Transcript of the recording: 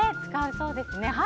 使うそうですね。